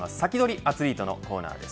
アツリートのコーナーです。